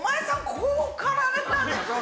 こうかられたんでしょうって。